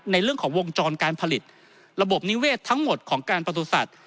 ในเรื่องของวงจรการผลิตระบบนิเวศทั้งหมดของการประสุทธิ์